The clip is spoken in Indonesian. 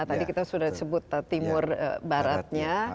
tadi kita sudah sebut timur baratnya